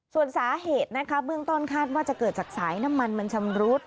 ส่วนสาเหตุนะคะเบื้องต้นคาดว่าจะเกิดจากสายน้ำมันมันชำรุด